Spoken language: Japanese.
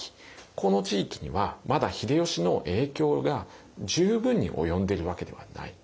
この地域にはまだ秀吉の影響が十分に及んでるわけではない。